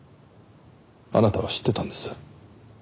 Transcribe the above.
あなたは知ってたんです。